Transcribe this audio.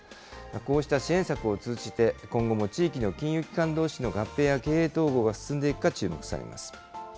こうした支援策を通じて、今後も地域の金融機関どうしの合併や経営統合が進んでいくか注目されます。